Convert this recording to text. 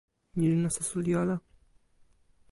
ni li nasa suli ala.